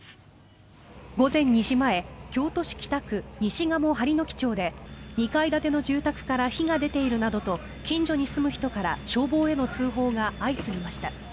午前２時前京都市北区西賀茂榿ノ木町で２階建ての住宅から火が出ているなどと近所に住む人から消防への通報が相次ぎました。